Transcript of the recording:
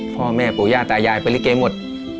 พ่อแม่ปู่ย่าตายายเป็นลิเกหมด